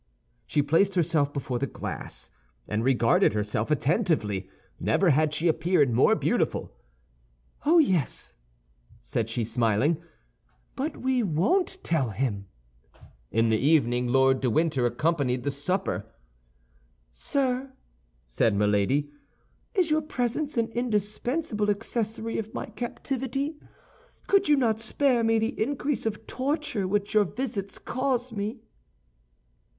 She placed herself before the glass, and regarded herself attentively; never had she appeared more beautiful. "Oh, yes," said she, smiling, "but we won't tell him!" In the evening Lord de Winter accompanied the supper. "Sir," said Milady, "is your presence an indispensable accessory of my captivity? Could you not spare me the increase of torture which your visits cause me?"